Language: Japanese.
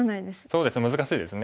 そうですね難しいですね。